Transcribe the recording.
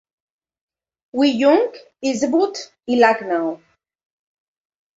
Wi Yung, Eastwood i Lucknow.